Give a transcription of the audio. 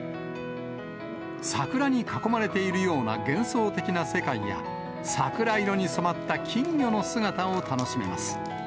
桜に囲まれているような幻想的な世界や、桜色に染まった金魚の姿を楽しめます。